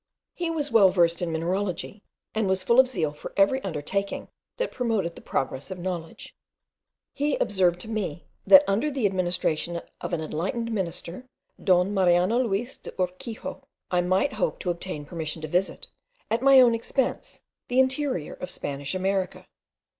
He was well versed in mineralogy, and was full of zeal for every undertaking that promoted the progress of knowledge. He observed to me, that under the administration of an enlightened minister, Don Mariano Luis de Urquijo, I might hope to obtain permission to visit, at my own expense, the interior of Spanish America.